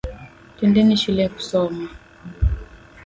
Twendeni shuleni kusoma.